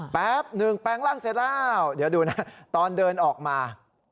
แป๊บหนึ่งแปลงร่างเสร็จแล้วเดี๋ยวดูนะตอนเดินออกมา